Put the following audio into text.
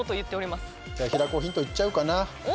じゃあ平子ヒントいっちゃうかな。